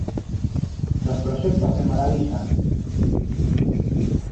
Los proyectos me maravillan.